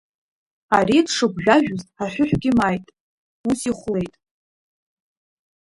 Ари дшыгәжәажәоз аҳәыҳәгьы мааит, ус ихәлеит.